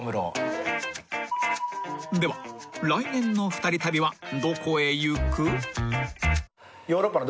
［では来年の２人旅はどこへ行く？］